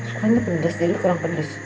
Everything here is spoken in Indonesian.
rasanya pedas jadi kurang pedas